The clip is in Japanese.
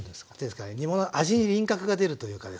ですから煮物味に輪郭が出るというかですね。